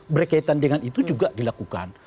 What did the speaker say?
berkaitan dengan itu juga dilakukan